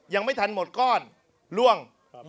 ยังไม่ทันหมดก้อนล่วง